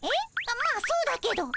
まあそうだけど。